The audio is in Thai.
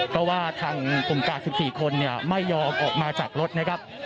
เพราะว่าทางกลุ่มกาด๑๔คนไม่ยอมออกมาจากรถนะครับ